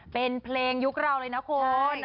เป็นเพลงยุคเราเลยนะคุณ